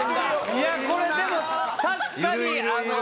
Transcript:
いやこれでも確かに。